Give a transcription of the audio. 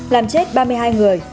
làm chết ba mươi hai người